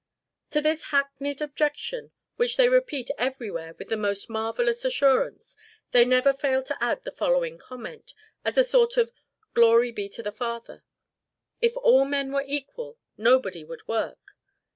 To this hackneyed objection, which they repeat everywhere with the most marvellous assurance, they never fail to add the following comment, as a sort of GLORY BE TO THE FATHER: "If all men were equal, nobody would work."